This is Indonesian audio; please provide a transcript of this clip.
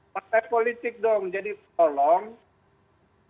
partai politik dong jadi tolong